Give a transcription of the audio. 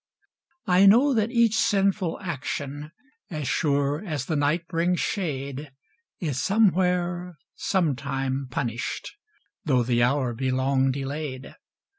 I know that each sinful action, As sure as the night brings shade, Is somewhere, sometime punished, Tho' the hour be long delayed.